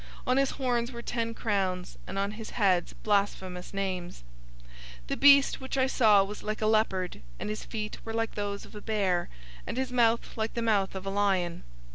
On his horns were ten crowns, and on his heads, blasphemous names. 013:002 The beast which I saw was like a leopard, and his feet were like those of a bear, and his mouth like the mouth of a lion.